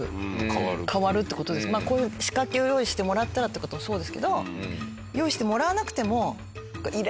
まあこういう仕掛けを用意してもらったらって事もそうですけど用意してもらわなくても。